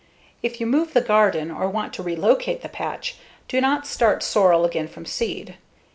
If you move the garden or want to relocate the patch, do not start sorrel again from seed.